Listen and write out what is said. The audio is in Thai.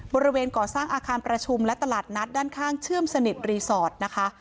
บริเวณก่อสร้างอาคารประชุมและตลาดนัดด้านข้างเชื่อมสนิทรีสอร์ทนะคะ